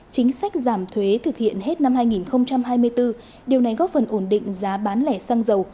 chính sách giảm thuế thực hiện hết năm hai nghìn hai mươi bốn điều này góp phần ổn định giá bán lẻ xăng dầu